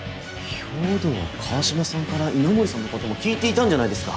兵藤は川島さんから稲森さんのことも聞いていたんじゃないですか？